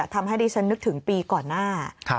ทำให้ดิฉันนึกถึงปีก่อนหน้า